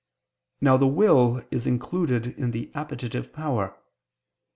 Now the will is included in the appetitive power.